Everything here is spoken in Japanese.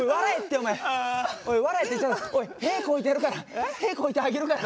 おいへこいてやるから。へこいてあげるから。